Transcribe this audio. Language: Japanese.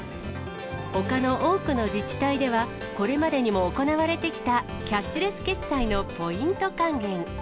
ほかの多くの自治体では、これまでにも行われてきた、キャッシュレス決済のポイント還元。